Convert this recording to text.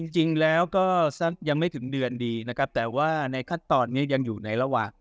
จริงแล้วก็สักยังไม่ถึงเดือนดีนะครับแต่ว่าในขั้นตอนนี้ยังอยู่ในระหว่าง